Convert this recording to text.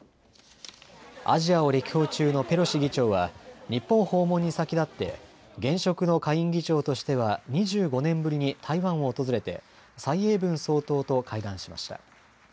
アジアを歴訪中のペロシ議長は日本訪問に先立って現職の下院議長としては２５年ぶりに台湾を訪れて蔡英文総統と会談しました。